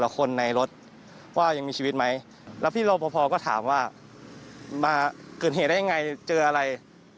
ก็พี่รอประพอก็ถามว่าได้ดื่มมามั้ยหรืออะไร